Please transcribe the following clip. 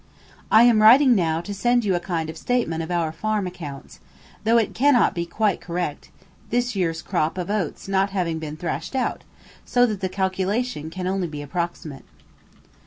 I am writing now to send you a kind of statement of our farm accounts; though it cannot be quite correct, this year's crop of oats not having been thrashed out, so that the calculation can only be approximate.